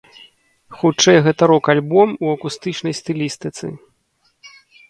Хутчэй гэта рок-альбом у акустычнай стылістыцы.